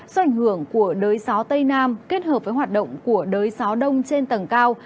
do ảnh hưởng của đới gió tây nam kết hợp với hoạt động của đới gió đông trên tầng cao